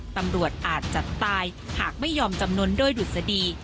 ตำรวจอาจจะตายหากไม่ยอมจำนวนด้วยดุษฎี